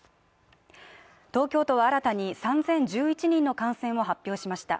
東京都は、新たに３０１１人の感染を発表しました。